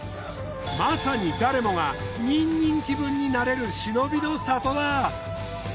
まさに誰もがニンニン気分になれる忍の里だ。